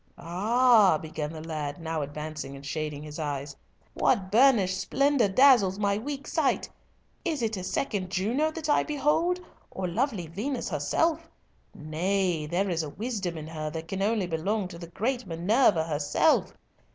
"Ah!" began the lad, now advancing and shading his eyes. "What burnished splendour dazzles my weak sight? Is it a second Juno that I behold, or lovely Venus herself? Nay, there is a wisdom in her that can only belong to the great Minerva herself!